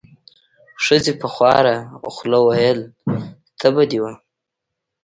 ښځې په خواره خوله وویل: تبه دې وه.